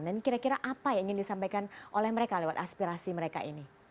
dan kira kira apa yang ingin disampaikan oleh mereka lewat aspirasi mereka ini